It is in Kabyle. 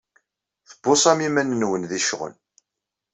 Tbuṣam iman-nwen di ccɣel.